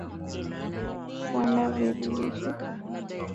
kuandaa viazi lishe